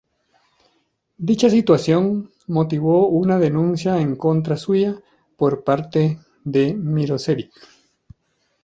Dicha situación motivó una denuncia en contra suya por parte de Mirosevic.